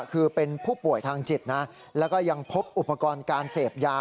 คือเป็นผู้ป่วยทางจิตนะแล้วก็ยังพบอุปกรณ์การเสพยา